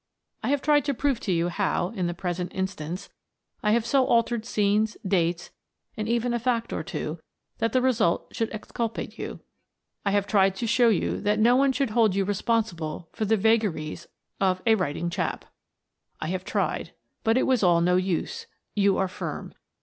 I have tried to prove to you how, in the present instance, I have so altered scenes, dates — and even a fact or two — that the result should exculpate you. I have tried to show you that no one should hold you responsible for the vagaries of " a writing chap." I have tried — But it was all no use. You are firm.